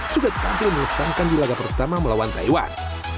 juga tampil menyesangkan di laga pertama melawan taiwan